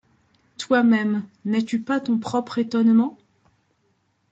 Toi-même, n’es-tu pas ton propre étonnement ?